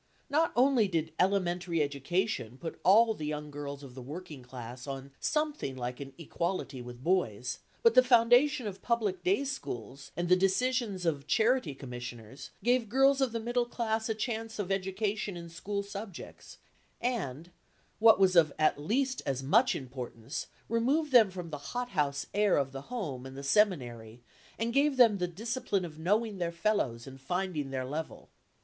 Not only did elementary education put all the young girls of the working class on something like an equality with boys, but the foundation of public day schools and the decisions of Charity Commissioners gave girls of the middle class a chance of education in school subjects, and, what was of at least as much importance, removed them from the hothouse air of the home and the seminary and gave them the discipline of knowing their fellows and finding their level.